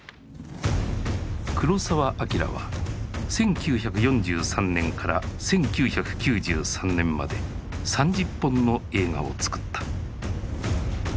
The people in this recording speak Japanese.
黒澤明は１９４３年から１９９３年まで３０本の映画を作った。